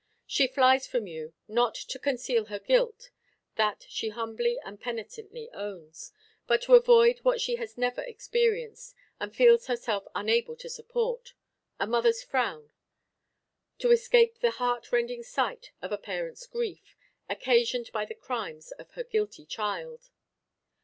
She flies from you, not to conceal her guilt, (that she humbly and penitently owns,) but to avoid what she has never experienced, and feels herself unable to support a mother's frown; to escape the heart rending sight of a parent's grief, occasioned by the crimes of her guilty child.